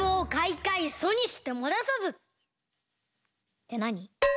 ってなに？